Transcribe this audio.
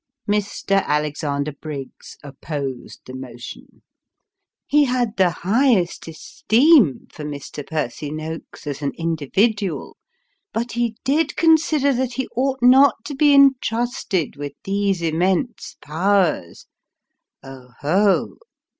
Mr. Alexander Briggs opposed the motion. He had the highest esteem for Mr. Percy Noakes as an individual, but he did consider that he ought not to be intrusted with these immense powers (oh, oh